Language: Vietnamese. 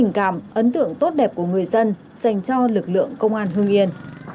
cảm ấn tượng tốt đẹp của người dân dành cho lực lượng công an hương yên